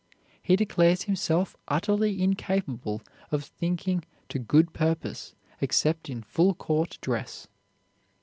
He declared himself utterly incapable of thinking to good purpose except in full court dress.